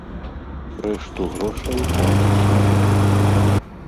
Рэшту грошай траціць на ежу.